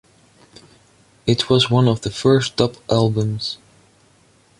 It was one of the first dub albums.